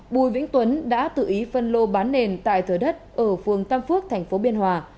bùi vĩnh tuấn đã tự ý phân lô bán nền tại thừa đất ở phường tam phước thành phố biên hòa